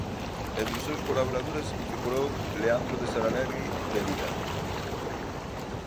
Entre os seus colaboradores figurou Leandro de Saralegui Medina.